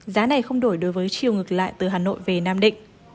giá này không đổi đối với chiều ngược lại từ hà nội về nam định